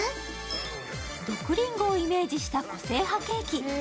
毒りんごをイメージした個性派ケーキ。